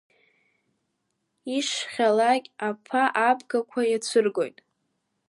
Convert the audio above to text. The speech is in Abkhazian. Ишхьалакь аԥа абгақәа иацәыргоит.